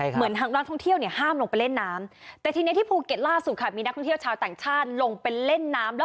เหมือนทางนักท่องเที่ยวเนี่ยห้ามลงไปเล่นน้ำแต่ทีนี้ที่ภูเก็ตล่าสุดค่ะมีนักท่องเที่ยวชาวต่างชาติลงไปเล่นน้ำแล้ว